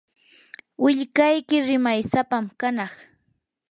willkayki rimaysapam kanaq.